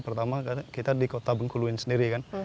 pertama kita di kota bengkuluin sendiri kan